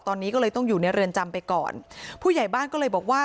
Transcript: ตอนนี้ก็เลยต้องอยู่ในเรือนจำไปก่อนผู้ใหญ่บ้านก็เลยบอกว่า